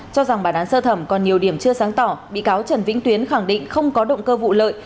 cho rằng bản án sơ thẩm còn nhiều điểm chưa sáng tỏ bị cáo trần vĩnh tuyến khẳng định không có động cơ vụ lợi